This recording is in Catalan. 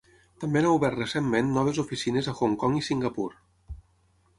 També han obert recentment noves oficines a Hong Kong i Singapur.